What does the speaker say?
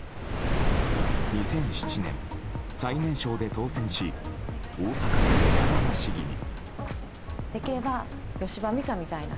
２００７年、最年少で当選し大阪の寝屋川市議に。